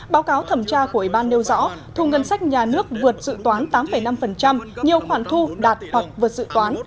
báo cáo thẩm tra của ủy ban nêu rõ thu ngân sách nhà nước vượt dự toán tám năm nhiều khoản thu đạt hoặc vượt dự toán